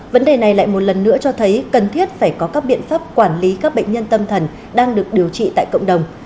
vấn đề này lại một lần nữa cho thấy cần thiết phải có các biện pháp quản lý các bệnh nhân tâm thần đang được điều trị tại cộng đồng